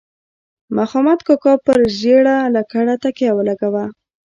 مخامد کاکا پر زیړه لکړه تکیه ولګوه.